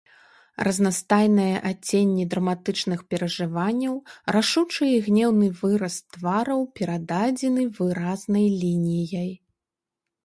Разнастайныя адценні драматычных перажыванняў, рашучы і гнеўны выраз твараў перададзены выразнай лініяй.